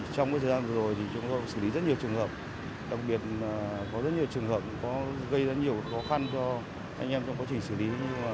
trong thời gian vừa rồi thì chúng tôi xử lý rất nhiều trường hợp đặc biệt có rất nhiều trường hợp có gây rất nhiều khó khăn cho anh em trong quá trình xử lý